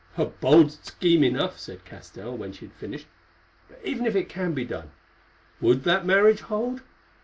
"A bold scheme enough," said Castell, when she had finished, "but even if it can be done, would that marriage hold?"